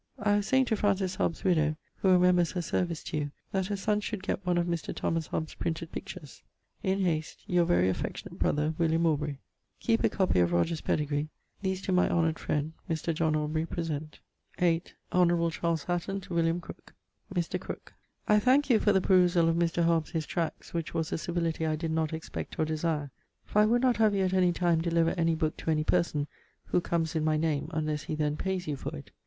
I was saying to Francis Hobbes's widow (who remembers her service to you) that her son should get one of Mr. Thomas Hobbes's printed pictures. In hast, Your very affectionat brother, WILLIAM AUBREY. Keep a copie of Rogers' pedegree. These to my honoured freind, Mr. John Awbrey present. viii. Hon. Charles Hatton to William Crooke. , Considerations, Natural Philosophy.'> Mr. Crooke, I thanke you for the perusall of Mr. Hobbs his tracts which wase a civility I did not expect or desire, for I wou'd not have you at any time deliver any booke to any person who comes in my name unless he then payes you for it.